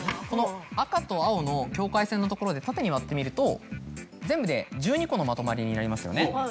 この赤と青の境界線のところで縦に割ってみると全部で１２個のまとまりになりますよね。